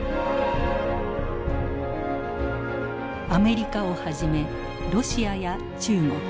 アメリカをはじめロシアや中国